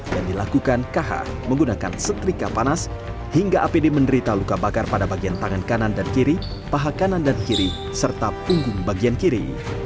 dan dilakukan k h menggunakan setrika panas hingga apd menderita luka bakar pada bagian tangan kanan dan kiri paha kanan dan kiri serta punggung bagian kiri